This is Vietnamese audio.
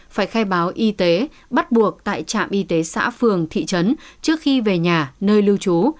phải khai báo y tế bắt buộc tại trạm y tế xã phường thị trấn trước khi về nhà nơi lưu trú